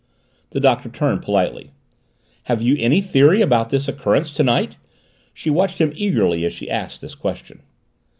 The Doctor turned, politely. "Have you any theory about this occurrence to night?" She watched him eagerly as she asked the question.